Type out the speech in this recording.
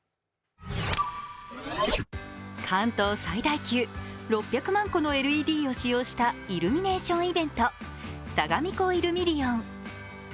関東最大級６００万個のＬＥＤを使用したイルミネーションイベントさがみ湖イルミリオン。